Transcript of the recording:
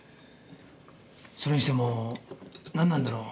それにしてもなんなんだろう